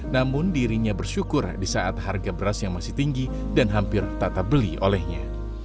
namun dirinya bersyukur di saat harga beras yang masih tinggi dan hampir tak terbeli olehnya